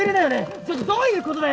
ちょっとどういうことだよ！